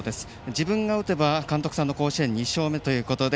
自分が打てば、監督さんの甲子園２勝目ということで